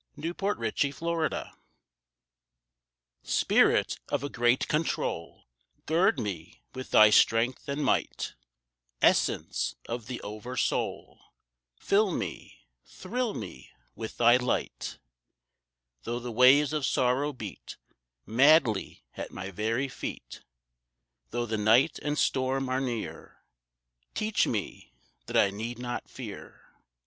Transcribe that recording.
SPIRIT OF A GREAT CONTROL Spirit of a Great Control, Gird me with thy strength and might, Essence of the Over Soul Fill me, thrill me with thy light; Though the waves of sorrow beat Madly at my very feet, Though the night and storm are near, Teach me that I need not fear.